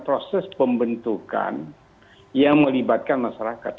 proses pembentukan yang melibatkan masyarakat